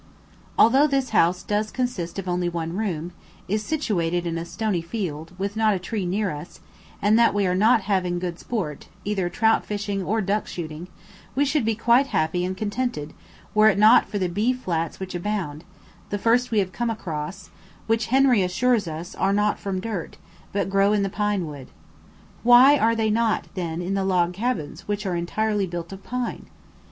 Although this house does consist of only one room, is situated in a stony field, with not a tree near us, and that we are not having good sport, either trout fishing or duck shooting, we should be quite happy and contented were it not for the B flats which abound, the first we have come across, which, Henry assures us, are not from dirt, but grow in the pine wood. Why are they not, then, in the log cabins which are entirely built of pine?